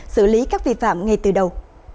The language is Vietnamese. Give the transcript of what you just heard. xử lý các vi phạm ngay từ đầu